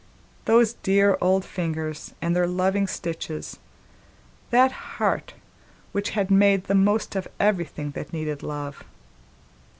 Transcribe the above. Those dear old fingers and their loving stitches, that heart which had made the most of everything that needed love!